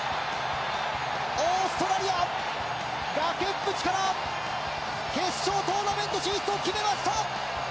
オーストラリア、崖っぷちから決勝トーナメント進出を決めました！